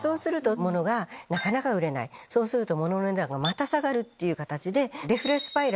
そうすると物の値段がまた下がるっていう形で。